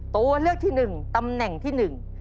ตัวเลือกที่หนึ่งตำแหน่งที่หนึ่ง